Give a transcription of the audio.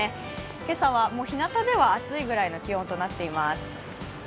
今朝はひなたでは暑いぐらいの気温となっています。